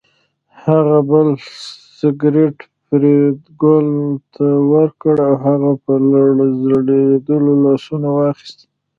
هغه بل سګرټ فریدګل ته ورکړ او هغه په لړزېدلو لاسونو واخیست